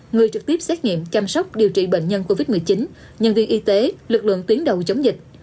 người trực tiếp xét nghiệm chăm sóc điều trị bệnh nhân covid một mươi chín nhân viên y tế lực lượng tuyến đầu chống dịch